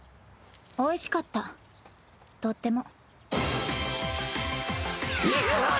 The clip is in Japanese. おいしかったとっても。